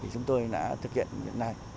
chúng tôi đã thực hiện hiện nay